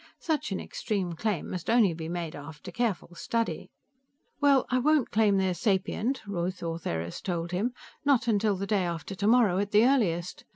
"Such an extreme claim must only be made after careful study." "Well, I won't claim they're sapient," Ruth Ortheris told him. "Not till day after tomorrow, at the earliest.